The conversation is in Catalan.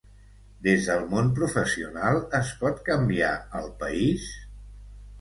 Des del món professional es pot canviar el país?